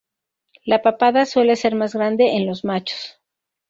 La papada suele ser más grande en los machos.